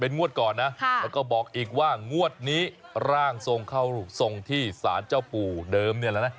งวดก่อนนะแล้วก็บอกอีกว่างวดนี้ร่างทรงเข้าทรงที่สารเจ้าปู่เดิมเนี่ยแล้วนะ